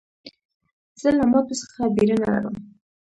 زه له ماتو څخه بېره نه لرم.